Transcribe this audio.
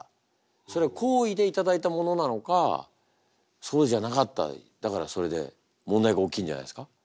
それは好意で頂いたものなのかそうじゃなかったりだからそれで問題が起きんじゃないですか。